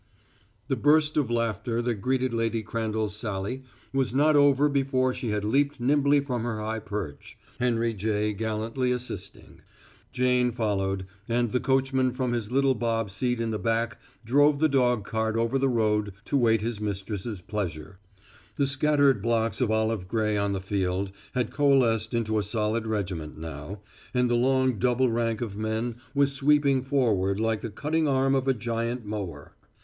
The burst of laughter that greeted Lady Crandall's sally was not over before she had leaped nimbly from her high perch, Henry J. gallantly assisting. Jane followed, and the coachman from his little bob seat in the back drove the dog cart over the road to wait his mistress' pleasure. The scattered blocks of olive gray on the field had coalesced into a solid regiment now, and the long double rank of men was sweeping forward like the cutting arm of a giant mower.